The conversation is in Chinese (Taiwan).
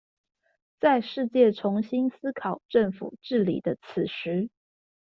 在世界重新思考政府治理的此時